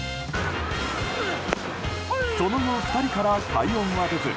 その後、２人から快音は出ず。